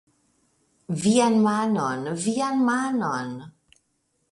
Vian manon, vian manon!